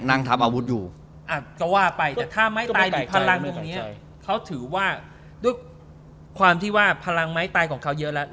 ทำอาวุธอยู่ก็ว่าไปแต่ถ้าไม้ตายดีพลังแบบนี้เขาถือว่าด้วยความที่ว่าพลังไม้ตายของเขาเยอะแล้ว